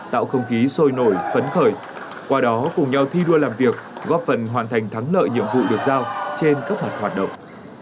tạo không khí sôi nổi phấn khởi qua đó cùng nhau thi đua làm việc góp phần hoàn thành thắng lợi nhiệm vụ được giao trên các mặt hoạt động